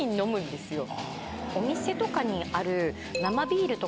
お店とかにある。